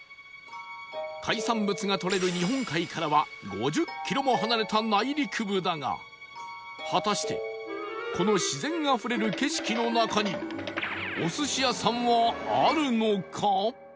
海産物がとれる日本海からは５０キロも離れた内陸部だが果たしてこの自然あふれる景色の中にお寿司屋さんはあるのか？